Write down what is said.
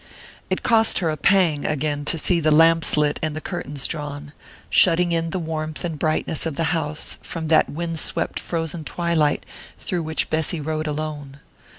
It cost her a pang, again, to see the lamps lit and the curtains drawn shutting in the warmth and brightness of the house from that wind swept frozen twilight through which Bessy rode alone.